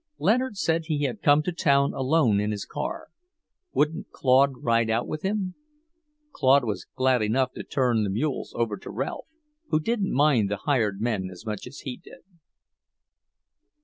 Leonard said he had come to town alone in his car; wouldn't Claude ride out with him? Claude was glad enough to turn the mules over to Ralph, who didn't mind the hired men as much as he did.